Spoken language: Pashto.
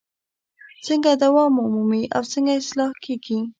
څنګه دوام ومومي او څنګه اصلاح کیږي؟